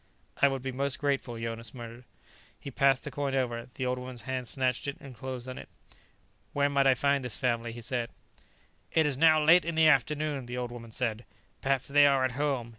"I would be most grateful," Jonas murmured. He passed the coin over; the old woman's hand snatched it and closed on it. "Where might I find this family?" he said. "It is now late in the afternoon," the old woman said. "Perhaps they are at home.